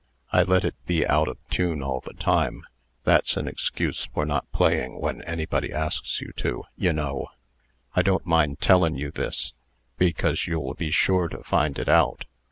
I let it be out of tune all the time. That's an excuse for not playing when anybody asks me to, ye know. I don't mind tellin' you this, because you'll be sure to find it out."